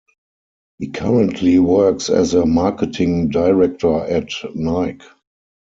He currently works as a marketing director at Nike.